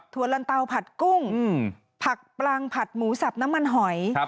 ลันเตาผัดกุ้งผักปลังผัดหมูสับน้ำมันหอย